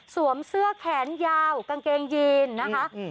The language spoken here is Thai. เสื้อแขนยาวกางเกงยีนนะคะ